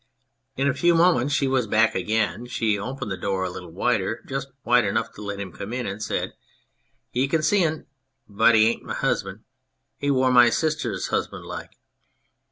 In a few moments she was back again ; she opened the door a little wider, just wide enough to let him come in, and said " Ye can see un : but he bain't my husband. He wor my sister's husband like."